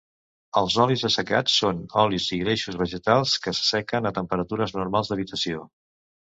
Els olis assecants són olis i greixos vegetals que assequen a temperatures normals d'habitació.